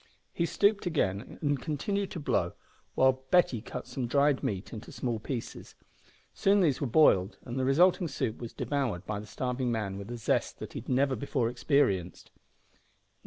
He stooped again and continued to blow while Betty cut some dried meat into small pieces. Soon these were boiled, and the resulting soup was devoured by the starving man with a zest that he had never before experienced.